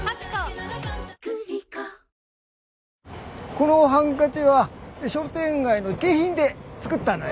このハンカチは商店街の景品で作ったのよ。